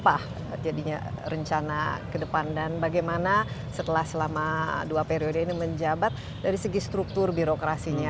apakah ini adalah rencana kedepan dan bagaimana setelah selama dua periode ini menjabat dari segi struktur birokrasinya